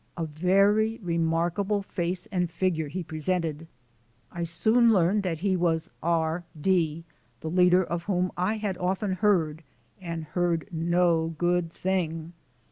A very remarkable face and figure he presented. I soon learned that he was R D , the leader of whom I had often heard, and heard no good thing.